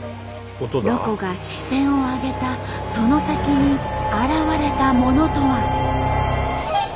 ロコが視線を上げたその先に現れたものとは。